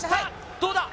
どうだ？